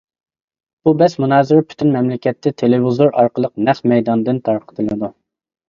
بۇ بەس-مۇنازىرە پۈتۈن مەملىكەتكە تېلېۋىزور ئارقىلىق نەق مەيداندىن تارقىتىلىدۇ.